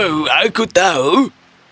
kau menderita penyakit mistik yang aneh